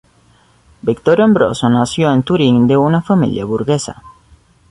Vittorio Ambrosio nació en Turín de una familia burguesa.